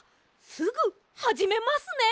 すぐはじめますね！